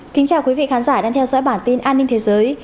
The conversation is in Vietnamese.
kính chào quý vị khán giả đang theo dõi bản tin an ninh thế giới